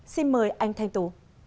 xin mời anh thanh tú